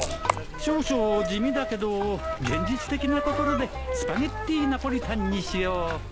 少々地味だけど現実的なところでスパゲティナポリタンにしよう。